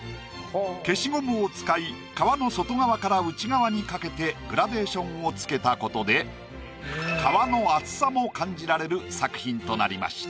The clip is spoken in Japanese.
消しゴムを使い皮の外側から内側にかけてグラデーションをつけたことで皮の厚さも感じられる作品となりました。